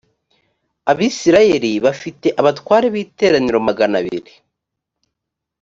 abisirayeli bafite abatware b’iteraniro magana abiri